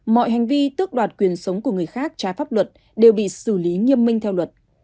mọi hành vi tước đoạt quyền sống của người khác trái pháp luật đều bị xử lý nghiêm minh theo luật